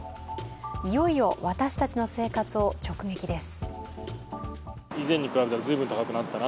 いよいよ私たちの生活を直撃です。